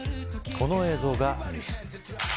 この映像がニュース。